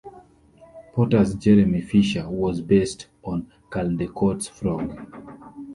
Potter's Jeremy Fisher was based on Caldecott's Frog.